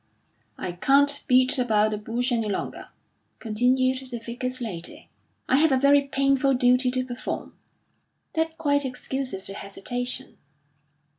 "I can't beat about the bush any longer," continued the Vicar's lady; "I have a very painful duty to perform." "That quite excuses your hesitation."